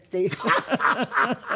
ハハハハ！